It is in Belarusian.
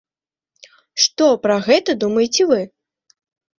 Што пра гэта думаеце вы?